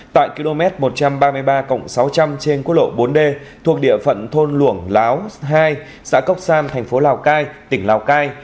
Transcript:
tại km một trăm ba mươi ba sáu trăm linh trên quốc lộ bốn d thuộc địa phận thôn luổng láo hai xã cốc san thành phố lào cai tỉnh lào cai